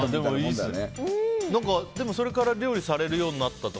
でもそれから料理をされるようになったとか？